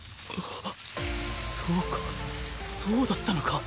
そうかそうだったのか